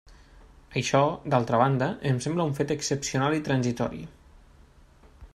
Això, d'altra banda, em sembla un fet excepcional i transitori.